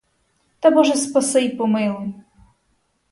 Та боже спаси й помилуй!